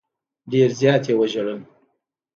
ډېر زیات یې وژړل.